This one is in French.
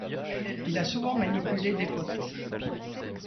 Il a souvent manipulé des photos.